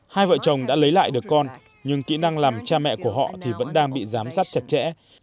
hai vợ chồng đã lấy lại được con nhưng kỹ năng làm cha mẹ của họ thì vẫn đang bị giám sát chặt chẽ